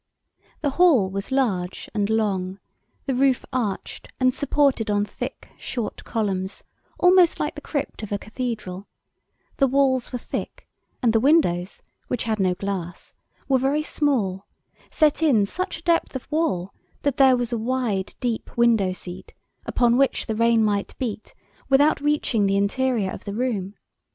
The hall was large and low, the roof arched, and supported on thick short columns, almost like the crypt of a Cathedral; the walls were thick, and the windows, which had no glass, were very small, set in such a depth of wall that there was a wide deep window seat, upon which the rain might beat, without reaching the interior of the room.